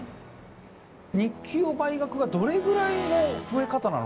「日給を倍額」がどれぐらいの増え方なのか。